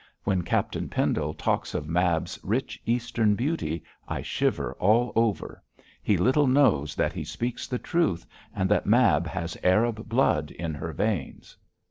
When Captain Pendle talks of Mab's rich Eastern beauty, I shiver all over; he little knows that he speaks the truth, and that Mab has Arab blood in her veins.'